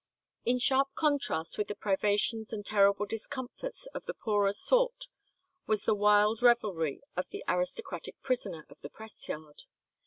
In sharp contrast with the privations and terrible discomforts of the poorer sort was the wild revelry of the aristocratic prisoners of the press yard.